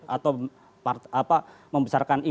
atau membesarkan indikator